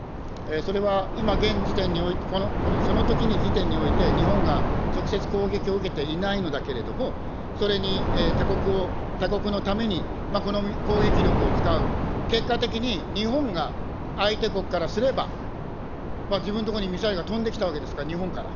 それは今現時点において、そのときの時点において、日本が直接攻撃を受けていないのだけれども、それに他国を、他国のために、この攻撃力を使う、結果的に日本が相手国からすれば、自分のとこにミサイルが飛んできたわけですから、日本から。